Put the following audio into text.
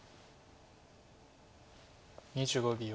２５秒。